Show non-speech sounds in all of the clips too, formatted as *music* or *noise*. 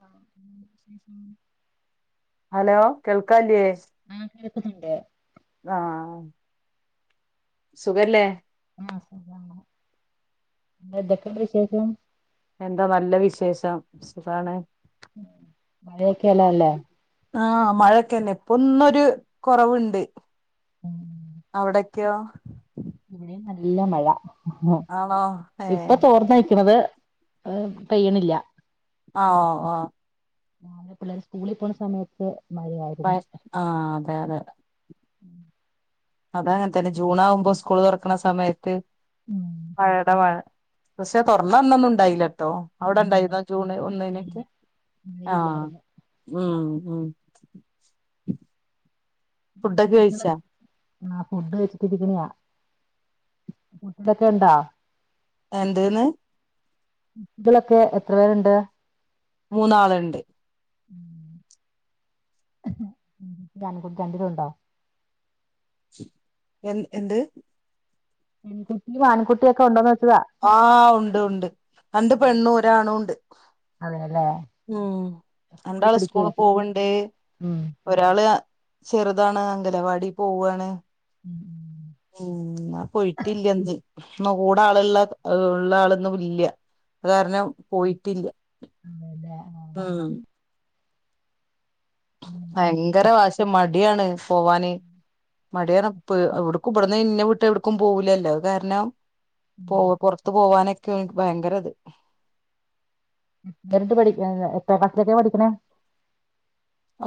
ആഹ hello കേൾക്കാല്ലേ കേക്കുന്നുണ്ട് ആഹ സുഖല്ലേ ആഹ സുഗാണ് എതൊക്കെണ്ട് വിശേഷം എന്താ നല്ല വിശേഷം സുഖാണ് മഴയൊക്കെല്ലല്ലേ ആഹ് മഴൊക്കെല്ലെഇപ്പ ഒന്നൊരു കുറവുണ്ട് അവിടെ കോ ഇവടിം നല്ല മഴ ആണോ ഏഹ് ഇപ്പൊ തോർന്നയ്ക് ണത് പെയ്യ് ണില്ല ആഹ ഹ പിള്ളേർ സ്കൂളിൽ പോണ സമയത്ത് പ മഴയായിരുന്നു ആ അതെ അതെ ഉം അത അങ്ങനെ തന്നെ ജൂൺ ആകുമ്പോ സ്കൂൾ തുറക്കണ സമയത്ത് ഉം മഴയുടെ മഴ പക്ഷേ തുറന്ന വന്നൊന്നും ഉണ്ടായില്ല കേട്ടോ അവിടെ അന്നുണ്ട് ഇണ്ടായിരുന്ന ജൂണ് ഒന്നിനേക്ക് മഴയില്ല ആഹ് മഴയില്ലായിരുന്നു ഉം ഫുഡൊക്കെ കഴിച്ചാ ആ ഫുഡ് വെച്ചിട്ടി ഇരിക്കണിയാ ഫുഡൊക്കെ ഉണ്ടോ എന്തന്ന് കളൊക്കെ എത്ര പേരുണ്ട് മൂന്നാളണ്ട് ഞാൻ കുടിക്കാണ്ട ഇത് ഉണ്ടാവോ എഹ് എന്ത് പെൺകുട്ടും ആൺകുട്ടിയ ഒക്കെ ഉണ്ടോന്ന് വെച്ചതാ ആഹ് ഉണ്ട് ഉണ്ട് രണ്ട് പെണ്ണുരാണണ്ട് അതെല്ലേ ഉം സ്കൂളിൽ രണ്ടാള് സ്കൂള് പഠിക്കുവായിരിക്കും പോവ്ണ്ട് ഉം ഒരാള് ചെറുതാണ് അംഗലവാടി പോവയാണ് ഉം ആ പോയിട്ടില്ല എന്ത് കൂടെ ആളുള്ള ഉള്ള ആളൊന്നും ഇല്ല അത് കാരണം പോയിട്ടില്ല ഉം *unintelligible* അങ്ങനെ ഭയങ്കര വാശി മടിയാണ് പോവാന് മടിയാണ്പ്പ എവിടക്കും ഇവിടന്ന് ഇന്നെ വിട്ട് എവിടക്കും പോവലല്ലോ കാരണം പോ പുറത്തു പോവാനൊക്കെയ ഭയങ്കരത് എര് പഠിക്ക എത്ര ക്ലാസ്സിലൊക്കെ പഠിക്കണേ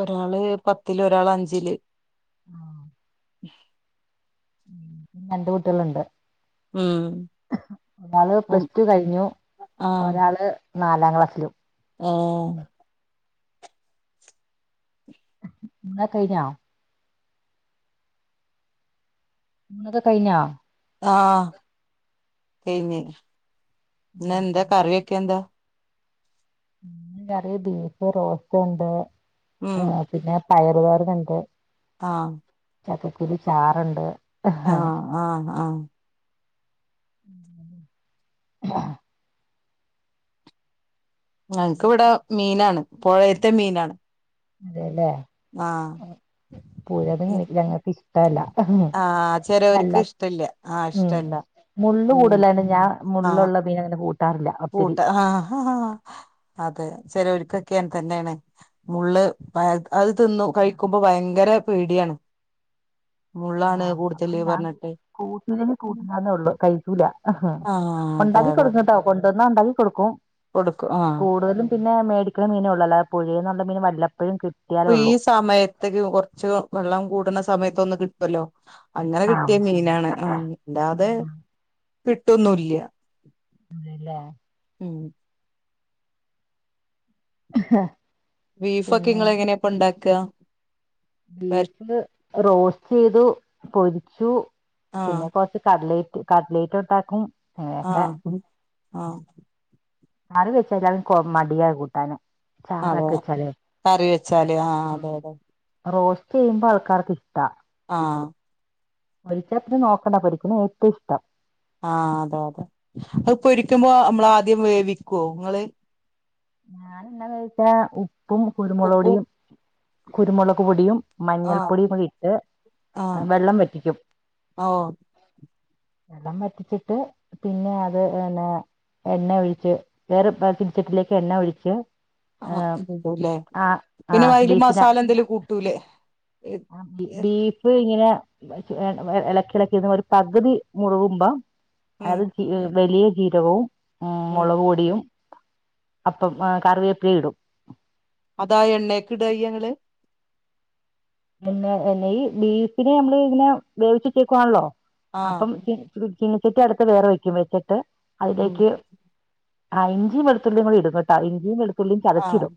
ഒരാള് പത്തില് ഒരാള് അഞ്ചില് ആ ഉ രണ്ട് കുട്ടികളുണ്ട് ഉം ഒരാള് ഉം പ്ലസ് ടു കഴിഞ്ഞു ഒരാള് നാലാം ക്ലാസ്സിലും ഓ എന്ന കഴിഞ്ഞോ ങ്ങത് കഴഞ്ഞാ ആ എനി ഇന്ന് എന്താ കറിവെ ക്യാ എന്താ കറി ബീഫ് റോസ്റ്റ് ഉണ്ട് ആ പിന്നെ പയറു തോരൻ ഉണ്ട് ആ ചക്കക്കുരു ചാറുണ്ട് ആ ആ ആ ആ ഞങ്ങക്ക് ഇവിടെ മീനാണ് പുഴയത്തെ മീനാണ്. അതെല്ലേ ആഹ് ആ പുഴമീൻ ഞങ്ങൾക്ക് ഇഷ്ടമല്ല. ആഹ് അല്ല ചെലോർക്ക് ഇഷ്ടല്ല ആഹ് ഉം ഇഷ്ടല്ല മുള്ള് ഉം കൂടലണ്ട് ഞാൻ മുള്ളൂള മീൻ അങ്ങനെ കൂട്ട പൂട്ട് ആ അതെ ചിലരൊക്കെക്കെ എന്തെല്ലാനു മുള്ള് പാ അത് തിന്നു കഴിക്കുമ്പോ ഭയങ്കര പേടിയാണ്. മുള്ളാണ് ആ കൂടുതല് അതുകൊണ്ട് ഞാൻ പറഞ്ഞിട്ട് കൂട്ടൂലെ കൂട്ടന്നേ ഉള്ളു കഴികുല ആഹ് അതെ ഉണ്ടാക്കി അതെ കൊടുക്കട്ടാ കൊണ്ടുവന്ന ഉണ്ടാക്കി കൊടുക്കും. കൊടുക്കും ആ കൂടുതലും പിന്നെ മേടിക്കുന്ന മീന ഉള്ളല്ല പുഴന്നല്ല മീൻ വല്ല. അപ്പ ഈ സമയത്തക്ക് കൊറച്ച് വെള്ളം കൂടുന്ന സമയത്തൊന്ന് കിട്ടുമല്ലോ? അങ്ങനെ ആഹ് കിട്ടിയ മീനാണ് ആ ഇല്ലാതെ ഉം കിട്ടൊന്നില്ല അതല്ല ഉം ആ ബീഫ ഒക്കെ ഇങ്ങള് എങ്ങനെയപ്പ ഉണ്ടാക്കുക ബീഫ് റോസ്റ്റ് ചെയ്തു പൊരിച്ചു ആഹ് പിന്നെ കൊറച്ച് കടലറ്റ് കടലേറ്റ് ഇട്ടാക്കും ആആ കറി വെച്ചട്ട എല്ലാർക്കും മടിയ കൂട്ടാന് അവോ ചാറാക്കി വെച്ചാലേ കറി വെച്ചാല് ആ ഉം അതെ അതെ. റോസ്റ്റ് ചെയ്യുമ്പോൾ ആൾക്കാർക്ക് ഇഷ്ടാ. ആ പൊരിച്ച പിന്നെ നോക്കണ്ട പരിക്കണ ഏറ്റവും ഇഷ്ടം. ആ അതെ അതെ അത് ഇപ്പൊരിക്കുമ്പോ നമ്മള ആദ്യം വേവിക്കുവോ നിങ്ങള്. ഞൻ എ എന്നാ വോഴിച്ച ഉപ്പും ഉപ്പും കുരുമുളോടിയും. കുരുമുളക് പൊടിയും ആഹ് മഞ്ഞൾപ്പൊടിയും ഇട്ട് വെള്ളം വറ്റിക്കും. ആ വെള്ളം പറ്റിച്ചിട്ട് പിന്നെ അത് ന്നെ എണ്ണ ഒഴിച്ച് വേറെ പതിരിച്ചട്ടിലേക്ക് എണ്ണ ഒഴിച്ച്. ആ ഇണ്ടല്ലേ ആ ആ പിന്നെ വയല് മസാല എന്തേലും കൂട്ടൂലേ? ആ ബീഫ് ഇങ്ങനെ ഇളക്കിളക്കിന്ന ഒരു പകുതി മുറുകുമ്പോ ഉം അത് വലിയ ജിരവും ഉ ഉം മുളക് പൊടിയും അപ്പം കറിവേപ്പില ഇടും. അതായ എണ്ണയക്കിടയ്യങ്ങള് പിന്നെ എന്നെ ഈ ബീഫിനെ നമ്മള് ഇങ്ങനെ വേവിച്ചിട്ടേക്കുവാണല്ലോ? ആഹ് അപ്പം ച ചിനച്ചിട്ടി അടുത്ത് വേറെ വയ്ക്കും വെച്ചിട്ട് ഉം അതിലേക്ക്. ആ ഇഞ്ചി വെളത്തുള്ളി ഇടും കേട്ടാ ഇഞ്ച ഉള്ളീം ഒന്ന് ആഹ് ചതച്ചിടും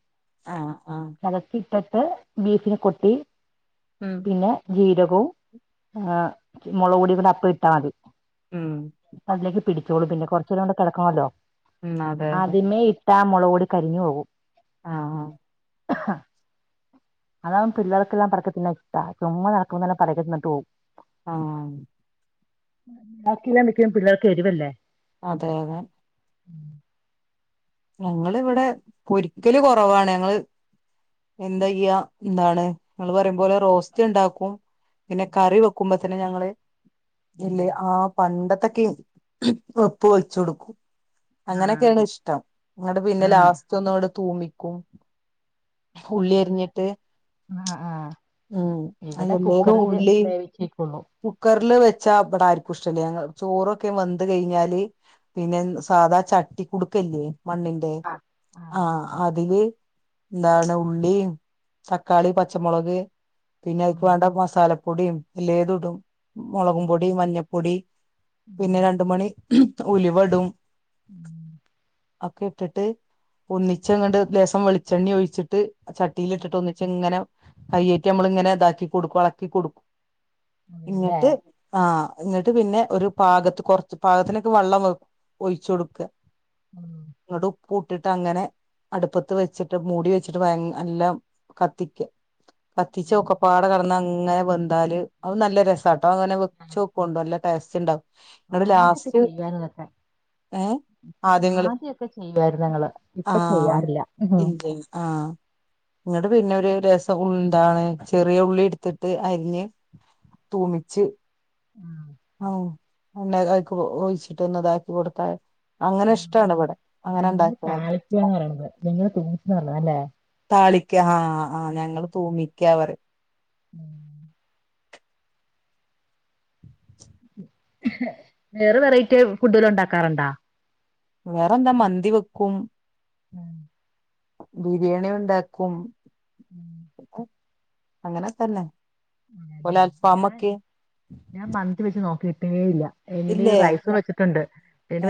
ആഹ് ആഹ് *unintelligible* ഇട് ബീഫ കൊട്ടി ഉം പിന്നെ ജീര ഇപ്പം മുളകും പൊടിയും കൂടിയ അപ്പോൾ ഇട്ടാൽ മതി. ഉം അല്ലെങ്കിൽ പിടിച്ചോളൂ പിന്നെ കുറച്ചുടെ കിടക്കല്ലോ ഉം അതെ അതെ ആദ്യമേ ഇട്ടാ മുളകോടി കരിഞ്ഞു പോകും ആ ആ അതാണ് പിള്ളേർക്ക് കെല്ലാം പറ *unintelligible* ഇഷ്ട്ടാ ചുമ്മ നടക്ക്മ്പ തന്നെ *unintelligible* പോവും. ആ *unintelligible* പിള്ളേർക്കെരുവല്ലേ? അതെ അതെ. ഉം. ഞങ്ങള് ഇവിടെ പൊരിക്കല് കൊറവാണ് ങ്ങള് എന്തായ്യ ന്താണ് ങ്ങൾ പറിം പോലെ റോസ്റ്റ് ഇണ്ടാക്കും. പിന്നെ കറി വെക്കുമ്പോ തന്നെ ഞങ്ങള്. ഇല്ലെ ഉം. ആ പണ്ടത്തൊക്കെ ഹ് മ് വെപ്പ് വെച്ചൊടുക്കും. ആ അങ്ങനെക്കേണ് ഇഷ്ട്ടം ഇങ്ങട്ട് പിന്നെ ആ ലാസ്റ്റ് ഒന്നുടെ തൂമിക്കും. ഉള്ളി ഇവിടെ അരിഞ്ഞിട്ട്. ആഹ് ആഹ് ഉം ഇവിടെ *unintelligible* കുക്കറില് ഉള്ളി വേവിച്ചേക്കുള്ളൂ കുക്കറില് വെ ച്ചബ്ടാരിക്കു ഇഷ്ട്ടല്ല്യ ഞങ്ങ ചോറൊക്കെ വെന്ത് കൈഞ്ഞാല്. പിന്നെ ന് സാധാ ചട്ടി കുടുക്കല്ലേ മണ്ണിന്റെ ആഹ് ആ ആഹ് അതില്. ന്താണ് ഉള്ളിം, തക്കാളി, പച്ചമൊള്ക്. പിന്നെ ഐക്ക് ആഹ് വേണ്ട മസാലപ്പൊടിം എല്ലേത്ടും. മുളകും പൊടി, മഞ്ഞപ്പൊടി, പിന്നെ രണ്ട് മണി ഹ്മ് ഉൽവടും. ഉം. ഒക്കെ ഇട്ടിട്ട് ഒന്നിച്ചങ്ങട്ട് ലേസം വെളിച്ചെണ്ണിം ഒയിച്ചിട്ട്. ചട്ടിൽട്ടിട്ട് ഒന്നിച്ച് ഇങ്ങനെ കയ്യെയ്റ്റ് നമ്മളിങ്ങനെ താക്കി കൊടുക്കും എളക്കി കൊടുക്കും. അതെല്ലേ ഇങ്ങിട്ട് ആ. എന്നിട്ട് പിന്നെ ഒരു പാകത്ത് കൊറച്ച് പാകത്തിനൊക്കെ വെള്ളം വെ ഒയിച്ചൊടുക്കാ. ഉം ങ്ങട്ട് ഉപ്പൂട്ട്ട്ടങ്ങനെ. അടുപ്പത്ത് വെച്ചിട്ട് മൂടി വെച്ചിട്ട് വൈ നല്ലാം കത്തിക്കാ. കത്തിച്ച് ഒക്കപ്പാടെ കെട്ന്നങ്ങനെ വെന്താല് അഉം നല്ല രസാട്ടോ ങ്ങനെ വെച്ചോക്കോണ്ടു നല്ല ടേസ്റ്റ്ണ്ടാവും. ആദ്യൊക്കെ ചെയ്യാണ്തൊക്കെ ഏ ആദ്യങ്ങള് ആദ്യൊക്കെ. ഒക്കെ ചെയ്യായിരുന്നു ങ്ങള് ഇപ്പ ആഹ് ചെയ്യാറില്ല. ഇല്ലേ ആഹ് ഇങ്ങട്ട് പിന്നെ ഒരു രസം ഉം ന്താണ് ചെറിയുള്ളിടുത്തിട്ട് അരിഞ്ഞ്. തൂമിച്ച്. ആ, ആ *unintelligible* ഐക്ക് ഒയിച്ചിട്ട് ഒന്ന് താക്കി കൊടുത്താ അങ്ങനെ ഇഷ് ഉം. ഞങ്ങള് താളിക്കാന്ന പറിണത് നിങ്ങള് തൂമിച്ചന്ന് *unintelligible* പറ അല്ലേ? താളിക്ക ആ ആ് ആ ഉം, ഞങ്ങള് തൂമിക്ക പറിം. ഉം. ഹ് വേറെ വെറൈറ്റി ഫുഡുല് ഉണ്ടാക്കാറുണ്ടാ? വേറെന്ത മന്തിവക്കു. ഉം. ബിര്യാണി ഉണ്ടാക്കും അങ്ങനൊക്കെന്നെ അങ്ങനെല്ലേ ഞാ ഞാൻ മന്തി വെച്ച് നോക്കീട്ടേല്ല്യ ഇല്ലേ *unintelligible* റൈസു വെച്ചിട്ടുണ്ട് *unintelligible*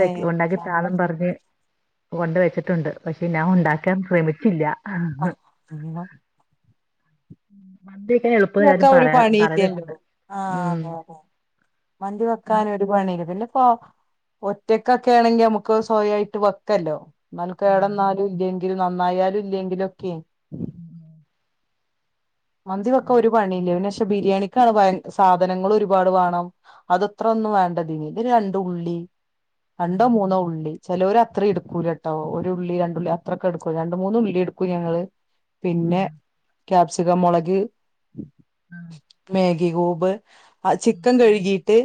ഏ ഇത് ഉണ്ടാക്കിതാന്നും പറഞ്ഞ് കൊണ്ട് വെച്ചിട്ടുണ്ട് പക്ഷെ ഞാൻ ഉണ്ടാക്കാൻ ശ്രമിച്ചില്ല ആ മിനിമം ഉം. മന്തി വെക്കാ ഒരു പണീല്ല്യല്ലോ ആ ഉം അതെതെ മന്തി വെക്കാന് ഒരു പണില്ല പിന്നെ ഇപ്പൊ ഒറ്റക്കൊക്കെണെങ്കി നമുക്ക് സ്വയായിട്ട് വെക്കല്ലോ ന്നാല് ക്കേടന്നാലും ഇല്ലെങ്കിലും നന്നായാലും ഇല്ലെങ്കിലും ഒക്കെ മ്മ് മ്മ് മ്മ് മന്തി വൊക്കാ ഒരു പണീല്ല്യ പിന്നെ ബിരിയാണിക്കാണ് ഭയ സാധനങ്ങളോരുപാട് വാണം അത് ഇത്ത്രന്നും വേണ്ടതിന് ഇതിന് രണ്ടുള്ളി രണ്ടോ മൂന്നോ ഉള്ളി ചെലൊര് അത്രീട്ക്കൂലട്ടോ ഒരു ഉള്ളി രണ്ടുള്ളി അത്രൊക്കെട്ക്കൂ രണ്ട് മൂന്ന് ഉള്ളിട്ക്കും ഞങ്ങള് പിന്നെ ക്യാപ്സിക്കൻ മൊളക് മേ ഗി ക്യുബ് ചിക്കൻ കഴ്കീട്ട്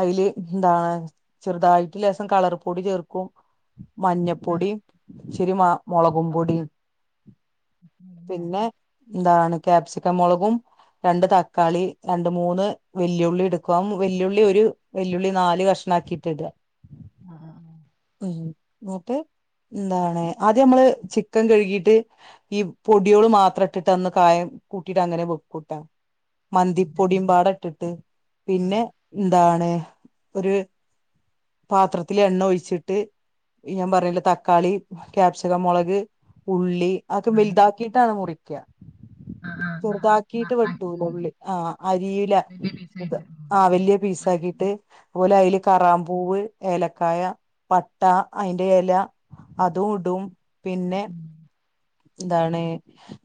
അയില് എന്താണ് ചെറ്തായിട്ട് ലേസം കളർ പൊടി ചേർക്കും മഞ്ഞപ്പൊടി ഇച്ചിരി മ മൊളകും പൊടിം *inaudible* എന്താണ് ക്യാപ്സിക്കം മൊളകും രണ്ട് തക്കാളി രണ്ട് മൂന്ന് വെല്ലുള്ളിട്ക്കും ആ വെല്ലുള്ളി ഒരു വെല്ലുള്ളി നാല് കഷ ണക്കിട്ട് ഇടാ ആ ആ ആഹ് ന്ന്ട്ട് എന്താണ് ആദ്യമ്മള് ചിക്കൻ കഴ്കീട്ട് ഈ പൊട്യാള് മാത്ര ട്ടിട്ട് ഒന്ന് കായം കൂട്ടിട്ട് അങ്ങനെ വെക്കൂട്ടോ അതെ. മന്തിപ്പൊടിം പാടെ ഇട്ടിട്ട് ആ പിന്നെന്താണ് ഒര് പാത്രത്തില് എണ്ണ ഒഴിച്ചിട്ട് ഞാൻ പറഞ്ഞില്ലേ തക്കാളി ക്യാപ്സികം മൊളക് ഉള്ളി അത് ഉള്ളി വല്താക്കിട്ടാണ് മുറിക്ക ആ ആ ആ, ആ, ചെറ്താക്കിട്ട് ആ, വെട്ടുല ഉം. ഉള്ളി ആഹ് അരീല വലിയ പീസായിട്ട് ആഹ് വലിയ പീസ്‌ ആഹ് ആക്കിയിട്ട് അതോലെ അയില് കറാമ്പൂവ് ഏലക്കായ പട്ട അയിന്റെ എല അതും ഇടും പിന്നെ എന്താണ്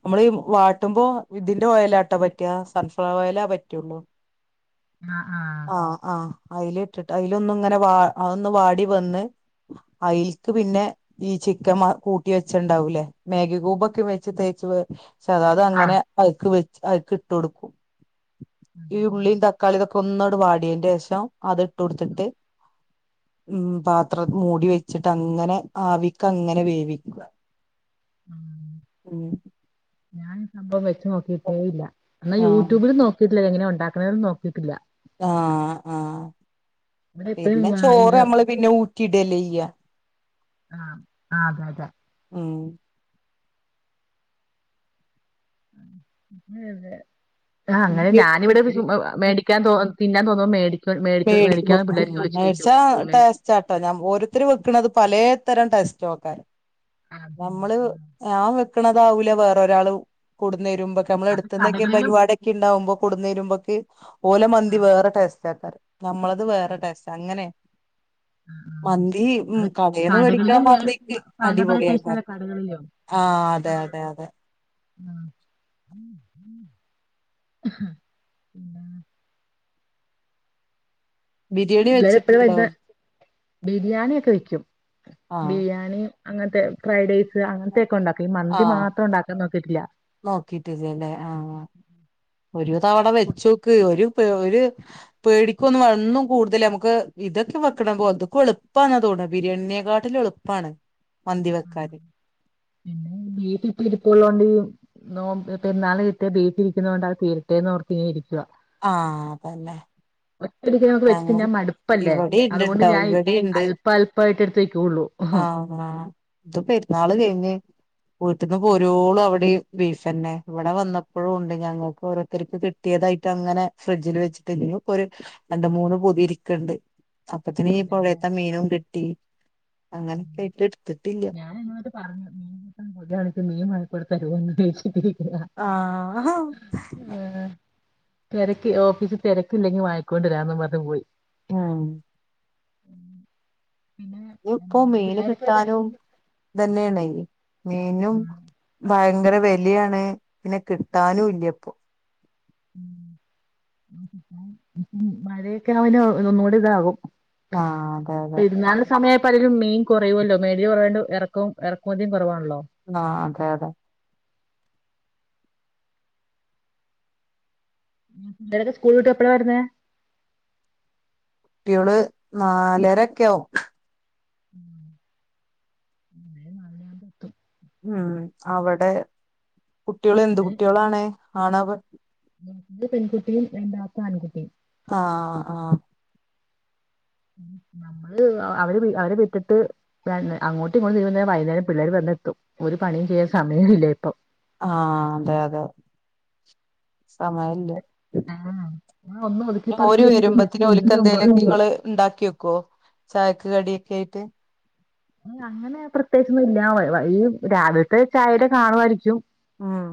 നമ്മള് ഈ വാട്ടുമ്പോ ഇതിന്റെ ഓയലാട്ടൊ പറ്റാ സൺഫ്ലർ ഓയലാ പറ്റൊള്ളൂ ആഹ് ആഹ് അയില് ഇട്ടിട്ട് അയിലൊന്ന്ങ്ങനെ വാ അതൊന്ന് വാടി വന്ന് അയില്ക്ക് പിന്നെ ഈ ചിക്കൻ മ കൂട്ടി വെച്ചണ്ടാവൂലേ മാഗി ക്യുബൊക്കെ വെച്ച് തേച്ച് വേച്ചതാ അത് അങ്ങനെ ആഹ് അയിക്ക് വേ അയിക്ക് ഇട്ടോട്ക്കും ഈ ഉള്ളീം തക്കാളി ഇതൊക്കൊന്നാണ്ട് വാടിയേന്റെഷം അത് ഇട്ടോട്ത്ത്ട്ട് ഉം പാത്രം മൂടി വെച്ചിട്ട് അങ്ങനെ ആവിക്കങ്ങനെ വേവിക്ക ഉം ഞാൻ ഈ സംഭവം വെച്ച് നോക്കിയിട്ടേ ഇല്ല എന്നാ ആഹ് യൂട്യൂബിലും നോക്കിട്ടില്ല എങ്ങനെ ഉണ്ടാക്ക്ണെന്ന് നോക്കിട്ടില്ല ആഹ് ആഹ് ഇവിടെ എപ്പഴും പിന്നെ ഇത് ചോറ്മ്മള് പിന്നെ ഊറ്റിടല്ലേയ്യ ആഹ് ആഹ് അതെ അതെ ഉം ഉം അതെ ആഹ് അങ്ങനെ ഞാനിവിടെ ചു മേടിക്കാൻ തോ തിന്നാൻ തോന്നുമ്പോ മേടിക്ക മേടിക്കും മേടിച്ച ഉം മേടിച്ച് ടേസ്റ്റാട്ടോ ഞാൻ ഓരോത്തരു വെക്കണത് പല തരം ടെസ്റ്റ്ക്ക അതന്നെ. നമ്മള് ഞാൻ വേ ണതാവില്ല വേറൊരാൾ കൂടുന്ന വരുമ്പം നമ്മള അത് അടത്ത് തന്നെ കടകളിലും പരിപാടൊക്കെ ഉണ്ടാവുമ്പോ കുടുന്നരുമ്പോക്ക് ഓലെ ആ മന്തി വേറെ ടേസ്റ്റ് ആക്കാറ് നമ്മളത് വേറെ ടേസ്റ്റ് അങ്ങനെ ആഹ് മന്തി ഉം ആഹ് അത് കടേന്ന് മേടിക്കണ കടകളിലും വേറെ മന്തിക്ക് പല പല ടെസ്റ്റ്‌ അടിപൊളിയാക്കാ അതുപോലെ കടകളിലും ആഹ് അതെ ആഹ അതെ അതെ പിന്ന *unintelligible* ബിരിയാണി പിള്ളര് എപ്പഴാ വരുന്ന വെച്ചിട്ടുണ്ടാവും ബിരിയാണി ഒക്കെ വെക്കും ആഹ് ബിരിയാണി അങ്ങനത്തെ ഫ്രൈഡ് റൈസ് അങ്ങനത്തക്കെ ഉണ്ടാക്കും ഈ മന്തി ആഹ് മാത്രം ഉണ്ടാക്കാൻ നോ നോക്കിട്ടില്ലല്ലേ ആഹ് ഒരു തവണ വെച്ച നോക്ക് ഒരു ഒരു പേടിക്കൊന്ന ഒന്നും കൂടുതൽ നമുക്ക് ഇതൊക്കെ വെക്കണം അതൊക്കെ എളുപ്പാണതൊ ബിരിയാണിയെ കാട്ടിലും എളുപ്പമാണ് ആഹ് പിന്നെ ബീഫ് എപ്പോളും ഇരിപ്പ ഉള്ളോണ്ട് നോ പെരുന്നാളിന്കിട്ടിയ ബീഫ് ഇരിക്കുന്ന കൊണ്ട് അത് തീരട്ടേന്ന് ഓർത്ത് ഇങ്ങനെ ഇരിക്കുക. ആ അതല്ലേ? ഒറ്റടിക്ക് നമുക്ക് വെച്ച്തിന്നാൻ ഞാൻ മടുപ്പല്ലേ? ഇവിടെണ്ട് അതുകൊണ്ട് ട്ടോ ഞാൻ ഇവിടെണ്ട് അല്പ അല്പായിട്ട് എടുത്ത് വയ്ക്കുള്ളൂ. ആ ആ ഇപ്പം പെരുന്നാള് കഴിഞ്ഞ് വീട്ടിക്ക്പോരോളും അവിടെയും ബീഫ് തന്നെ. ഇവിടെ വന്നപ്പോഴും ഉണ്ട് ഞങ്ങൾക്ക് ഓരോരുത്തർക്ക് കിട്ടിയ തായിട്ട് അങ്ങനെ ഫ്രിഡ്ജിൽ വെച്ചിട്ട് ഇന്ന് ഇപ്പംഒരു രണ്ടു മൂന്ന് പൊതി ഇരിക്കണ്ട് അപ്പത്തിന് ഈ അതെല്ലേ പുഴയത്തെ മീനുംകിട്ടി. ഞാൻ ഇന്ന് പറഞ്ഞു മീൻ കൂട്ടാൻകൊതിയാണ് മീൻ വാങ്ങി കൊണ്ട് തരുവോന്ന്? ഫേസ് ബുക്കില് ആ തിരക്ക് ഓഫീസിൽ തിരക്കി ല്ലെങ്കിൽ വാങ്ങി കൊണ്ട് വരാന്ന് പറഞ്ഞ് പോയി. ആ പിന്നെ ഇപ്പോ മീന് പിള്ളേരൊക്കെ അതെ കിട്ടാനുംതന്നെയാണ്. മീനും ഭയങ്കര വിലയാണ്. പിന്നെ കിട്ടാനും ഇല്ല ഇപ്പോ മഴയൊക്കെ അവന് ഒന്നുകൂടി ഇതാകും. ആ അതെ അതെ പലരും മീൻ കുറയുമല്ലോ? മേലതി കുറയണ്ട് ഇറക്കവും ഇറക്കുമതിയും കുറവാണല്ലോ? ആ അതെ അതെ പിള്ളാരൊക്കെ സ്കൂള് വിട്ട് എപ്പഴാ വരുന്നേ? നാലരൊക്കെയാവും. നാല് മണിയാകുമ്പോ എത്തും ഉം. അവിടെ കുട്ടികൾ എന്ത് കുട്ടികളാണ്? ആണോ പെൺ ത്തത് പെൺകുട്ടിയും രണ്ടാമത്തെ ആൺകുട്ടിയും. ആ ആ നമ്മള് അവര് അവര് വിട്ടിട്ട് അങ്ങോട്ട് ഇങ്ങോട്ട് തിരിയുന്നേരം വൈകുന്നേരം പിള്ളേര് വരുന്ന ത്തും. ഒരു പണിയും ചെയ്യാൻ സമയമില്ല കേട്ടോ. ആ അതെ അതെ സമയമില്ല. ആഹ് ഞാൻ ഒന്നും ഒതുക്കി പറക്കി ഓര് വെച്ച് വെച്ച് വരുമ്പത്തേന് തീരുന്നതിന് മുമ്പ് ഒലുക്കെന്തേലും നിങ്ങള്ഉണ്ടാക്കി വെക്കുവോ? ച കടിയൊക്കെ ആയിട്ട്? അങ്ങനെ പ്രത്യേകിച്ചൊന്നും ഇല്ല ഈ രാവിലത്തെ ചായടെ കാണുമായിരിക്കും. ഉം